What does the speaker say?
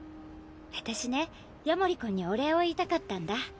私ね夜守君にお礼を言いたかったんだ。